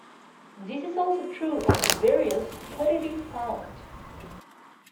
This is also true of the various pottery found.